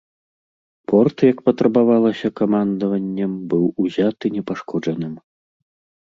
Порт, як патрабавалася камандаваннем, быў узяты непашкоджаным.